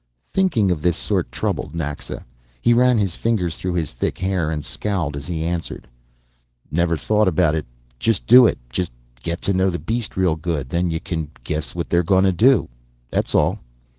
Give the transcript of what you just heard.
Thinking of this sort troubled Naxa. He ran his fingers through his thick hair and scowled as he answered. "Nev'r thought about it. Just do it. Just get t'know the beast real good, then y'can guess what they're going t'do. That's all."